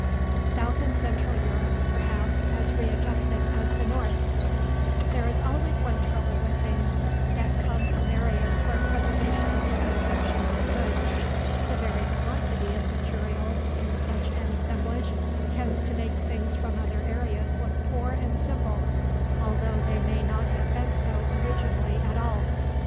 SOUTH AND CENTRAL EUROPE PERHAPS AS READJUSTED AS THE NORTH There is always one trouble with things that come from areas where preservation is exceptionally good: The very quantity of materials in such an assemblage tends to make things from other areas look poor and simple, although they may not have been so originally at all.